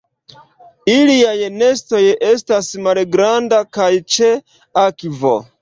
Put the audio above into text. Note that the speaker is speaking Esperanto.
Iliaj nestoj estas malgranda kaj ĉe akvo.